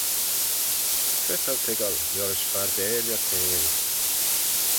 Cre t'ou toiggal liorish fardail y theihll?